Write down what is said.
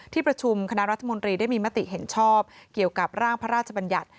ที่ประชุมคณะรัฐมนตรีได้มีมติเห็นชอบเกี่ยวกับร่างพระราชบัญญัติ